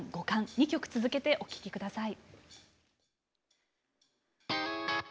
２曲続けてお聴き下さい。